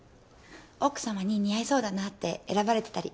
奥さまに似合いそうだなって選ばれてたり。